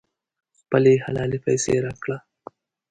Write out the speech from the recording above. خپلې حلالې پیسې راکړه.